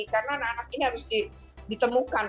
karena anak anak ini harus ditemukan